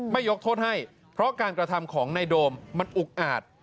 ยกโทษให้เพราะการกระทำของนายโดมมันอุกอาจ